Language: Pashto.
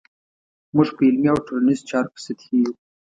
موږ په علمي او ټولنیزو چارو کې سطحي یو.